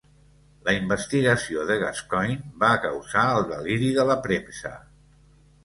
La investigació de Gascoyne va causar el deliri de la premsa.